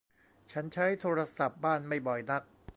ฉันใช้โทรศัพท์บ้านไม่บ่อยนัก